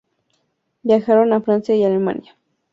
Viajaron a Francia y Alemania.